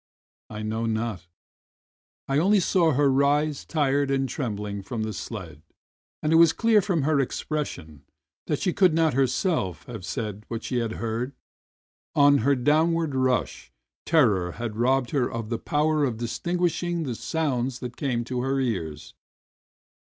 I know not — I only saw her rise tired and trembling from the sled, and it was clear from her expression that she could not herself have said what she had heard; on her downward rush terror had robbed her of the power of distinguishing the sounds that came to her ears.